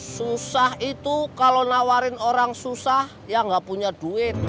susah itu kalau nawarin orang susah ya nggak punya duit